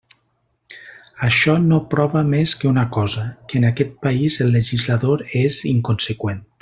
Això no prova més que una cosa, que en aquest país el legislador és inconseqüent.